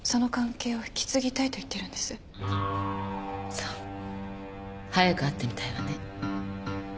早く会ってみたいわね。